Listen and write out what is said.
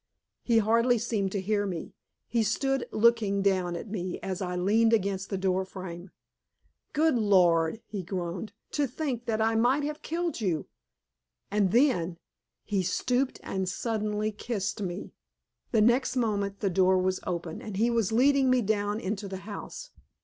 He hardly seemed to hear me. He stood looking down at me as I leaned against the door frame. "Good Lord!" he groaned. "To think that I might have killed you!" And then he stooped and suddenly kissed me. The next moment the door was open, and he was leading me down into the house.